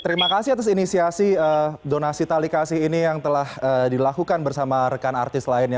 terima kasih atas inisiasi donasi talikasi ini yang telah dilakukan bersama rekan artis lainnya